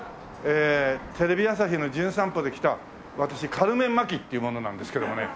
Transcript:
テレビ朝日の『じゅん散歩』で来た私カルメン・マキっていう者なんですけどもね。